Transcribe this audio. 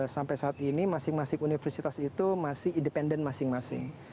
sampai saat ini masing masing universitas itu masih independen masing masing